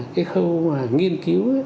cái khâu nghiên cứu